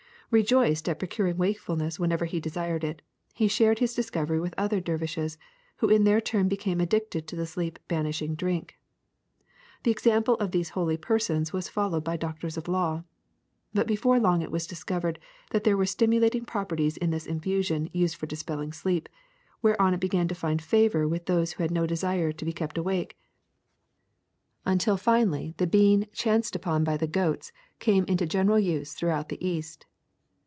*^ Rejoiced at procuring wakefulness whenever he desired it, he shared his discovery with other der vishes, who in their turn became addicted to the sleep banishing drink. The example of these holy persons was followed by doctors of law. But before long it was discovered that there were stimulating properties in this infusion used for dispelling sleep, whereupon it began to find favor with those who had no desire to be kept awake, until finally the bean COFFEE 177 chanced upon by the goats came into general use throughout the East.